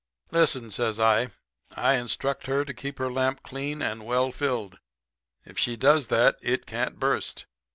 "'Listen,' says I. 'I instruct her to keep her lamp clean and well filled. If she does that it can't burst.